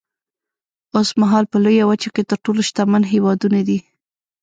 اوسمهال په لویه وچه کې تر ټولو شتمن هېوادونه دي.